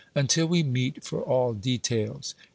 Until we meet for all details.